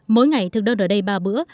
mỗi ngày thực đơn ở đây ba bữa